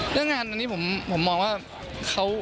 เรื่องงานอันนี้ผมมองว่าเขา